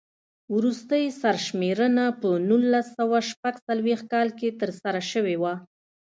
وروستۍ سر شمېرنه په نولس سوه شپږ څلوېښت کال کې ترسره شوې وه.